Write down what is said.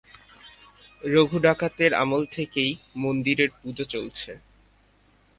রঘু ডাকাতের আমল থেকেই মন্দিরের পুজো চলছে।